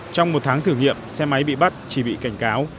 trong một tháng thử nghiệm xe máy bị bắt chỉ bị cảnh cáo